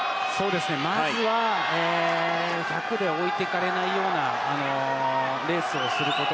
まずは１００で置いていかれないようなレースをすること。